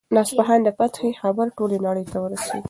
د اصفهان د فتحې خبر ټولې نړۍ ته ورسېد.